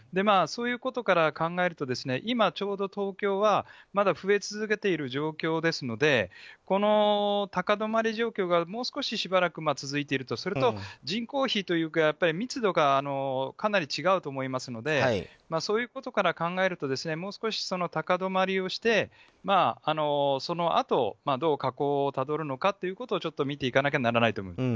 そういうことから考えると今ちょうど東京はまだ増え続けている状況ですのでこの高止まり状況がもう少ししばらく続いているとすると人口比というか密度がかなり違うと思いますのでそういうことから考えるともう少し高止まりをしてそのあと、どう下降をたどるのかというところを見ていかなきゃならないと思います。